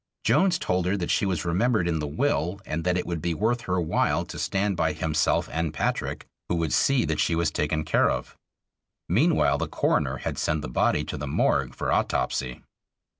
Jones told her that she was remembered in the will and that it would be worth her while to stand by himself and Patrick, who would see that she was taken care of. Meanwhile the coroner had sent the body to the morgue for autopsy.